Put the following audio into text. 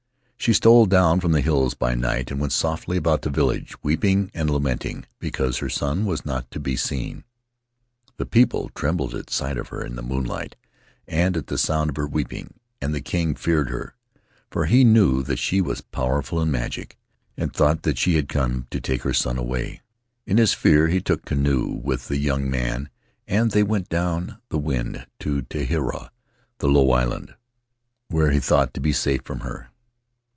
She stole down from the hills by night and went softly about the village, weeping and lamenting because her son was not to be seen; the people trembled at sight of her in the moon light and at the sound of her weeping, and the king feared her, for he knew that she was powerful in magic, and thought that she had come to take her son away. In his fear he took canoe with the young man, and they went down the wind to Tetuaroa, the Low Island, where he thought to be safe from her.